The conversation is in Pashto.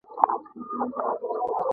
هغه باید دا د ځان لپاره محقق کړي.